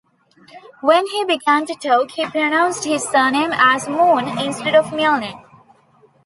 When he began to talk, he pronounced his surname as Moon instead of Milne.